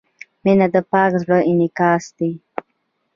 • مینه د پاک زړۀ انعکاس دی.